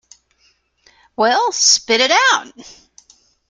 Well, spit it out!